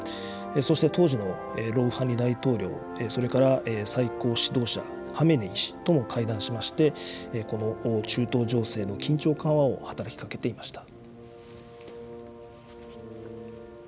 そして当時のロウハニ大統領、それから最高指導者、ハメネイ師とも会談しまして、この中東情勢の緊張緩和を働きかけていました。